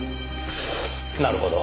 なるほど。